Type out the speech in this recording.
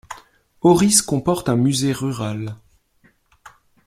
Auris comporte un musée rural.